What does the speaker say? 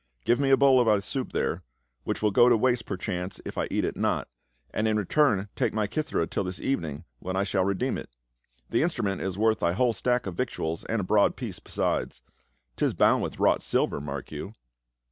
Give me a bowl of thy soup there — which will go to waste perchance if I eat it not, and in return take my kithcra till this evening when I shall redeem it. The instrument is worth thy whole stock of vic tuals and a broad piece besides. 'Tis bound with wrought silver, mark you."